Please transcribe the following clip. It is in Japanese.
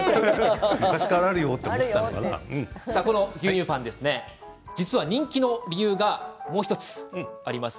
牛乳パンですが人気の理由はもう１つあります。